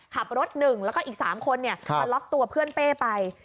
ขับรถ๑แล้วก็อีก๓คนมาล็อกตัวเพื่อนเป้ไป